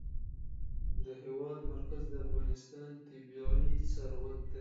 د هېواد مرکز د افغانستان طبعي ثروت دی.